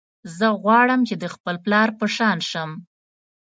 زه غواړم چې د خپل پلار په شان شم